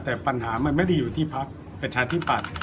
แต่ปัญหามันไม่ได้อยู่ที่พักประชาธิปัตย์